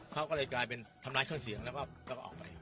เขาก็เลยกลายเป็นทำร้ายเครื่องเสียงแล้วก็ออกไป